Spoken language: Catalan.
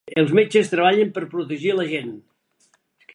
Els metges treballen per protegir a la gent.